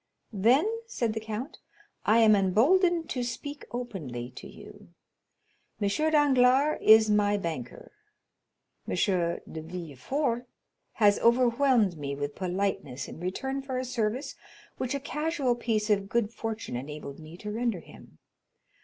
"Then," said the count, "I am emboldened to speak openly to you. M. Danglars is my banker; M. de Villefort has overwhelmed me with politeness in return for a service which a casual piece of good fortune enabled me to render him.